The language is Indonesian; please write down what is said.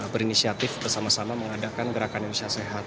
berinisiatif bersama sama mengadakan gerakan indonesia sehat